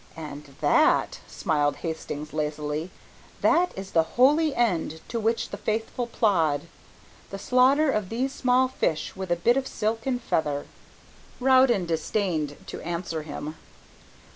"And that," smiled Hastings lazily, "that is the holy end to which the faithful plod, the slaughter of these small fish with a bit of silk and feather." Rowden disdained to answer him.